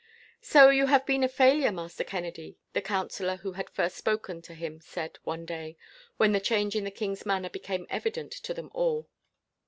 "So you have been a failure, Master Kennedy," the counsellor who had first spoken to him said, one day, when the change in the king's manner became evident to them all.